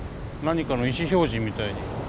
何かの意思表示みたいに。